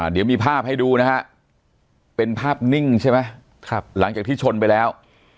เดี๋ยวมีภาพให้ดูนะฮะเป็นภาพนิ่งใช่ไหมหลังจากที่ชนไปแล้ว